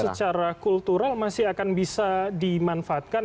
secara kultural masih akan bisa dimanfaatkan